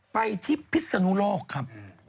ไปที่พิศนุโลกครับ